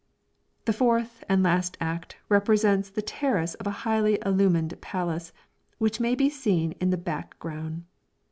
The fourth and last act represents the terrace of a highly illuminated palace, which may be seen in the back ground.